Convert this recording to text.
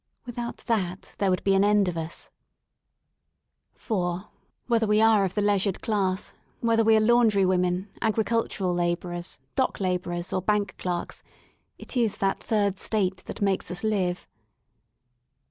Without that there would be an end of uSp For, whether we are of the leisured class, whether we are laundry women, agricultural labourers, dock labourers, or bank clerks, it is that third state that makes us live.